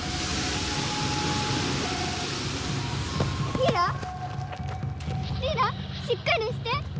リラ⁉リラしっかりして！